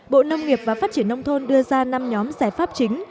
bộ nông nghiệp và phát triển nông thôn đưa ra năm nhóm giải pháp chính